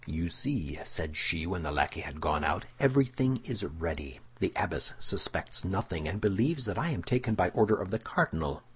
"You see," said she, when the lackey had gone out, "everything is ready. The abbess suspects nothing, and believes that I am taken by order of the cardinal.